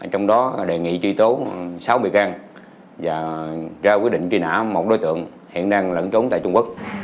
trong đó đề nghị tri tố sáu bì can và ra quyết định tri nã một đối tượng hiện đang lẫn trốn tại trung quốc